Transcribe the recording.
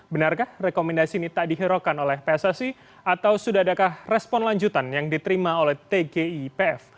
benarkah rekomendasi ini tak dihiraukan oleh pssi atau sudah adakah respon lanjutan yang diterima oleh tgipf